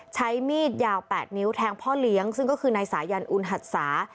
ใช้มีดยาว๘นิ้วแทงพ่อเลี้ยงซึ่งก็คือนายสายันอุณหัดสา